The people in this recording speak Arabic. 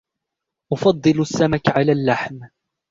أفضل السمك على اللحم.